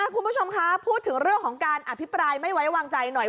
คุณผู้ชมคะพูดถึงเรื่องของการอภิปรายไม่ไว้วางใจหน่อย